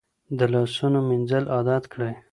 د لاسونو مینځل عادت کړئ.